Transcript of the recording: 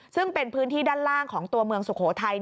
ซึ่งเป็นพื้นที่ด้านล่างของตัวเมืองสุโขทัย